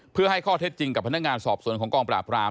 เพื่อให้ข้อเท็จจริงกับพนักงานสอบสวนของกองปราบราม